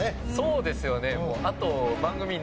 そうですよね。